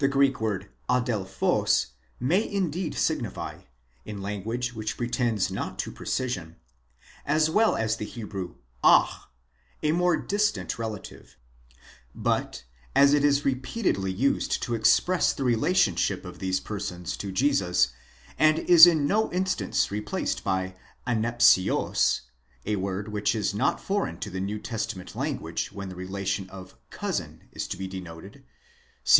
The Greek word ἀδελφὸς may indeed signify, in language which pretends not to precision, as well as the Hebrew 8, a more distant relative ; but as it is repeatedly used to express the relationship of these persons to Jesus, and is in no instance replaced by aveyos—a word which is not foreign to the New Testament language when the relationship of cousin is to be denoted (Col.